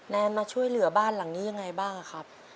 แนนมาช่วยเหลือบ้านหลังนี้ยังไงบ้างครับ